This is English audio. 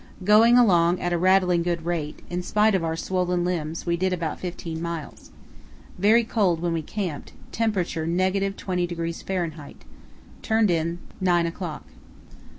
Going along at a rattling good rate; in spite of our swollen limbs we did about fifteen miles. Very cold when we camped; temperature –20° Fahr. Turned in 9 o'clock.